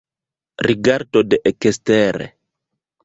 Rigardo de ekstere.